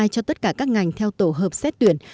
cho tất cả các ngành theo tổ hợp xét tuyển